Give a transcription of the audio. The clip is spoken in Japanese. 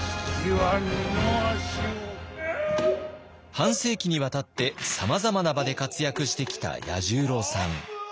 半世紀にわたってさまざまな場で活躍してきた彌十郎さん。